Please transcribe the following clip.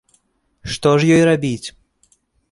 Што ж ёй рабіць?